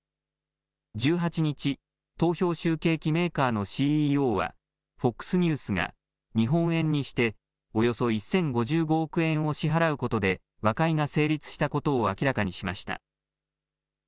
１８日、投票集計機メーカーのＣＥＯはＦＯＸニュースが日本円にしておよそ１０５５億円を支払うことで和解が成立したことを明らかにしました。